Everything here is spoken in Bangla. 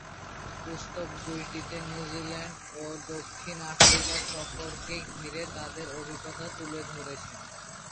পুস্তক দুইটিতে নিউজিল্যান্ড ও দক্ষিণ আফ্রিকা সফরকে ঘিরে তাদের অভিজ্ঞতা তুলে ধরেছেন।